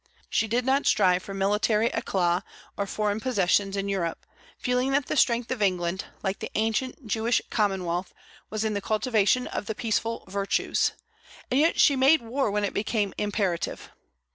She did not strive for military éclat or foreign possessions in Europe, feeling that the strength of England, like the ancient Jewish commonwealth, was in the cultivation of the peaceful virtues; and yet she made war when it became imperative.